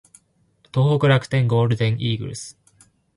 東北楽天ゴールデンイーグルス